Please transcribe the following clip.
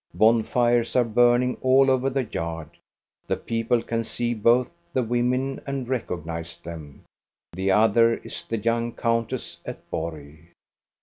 Bonfires are burning all over the yard. The people can see both the women and recognize them. The other is the young countess at Borg.